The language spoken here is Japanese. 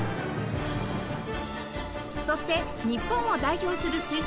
そして日本を代表する吹奏楽団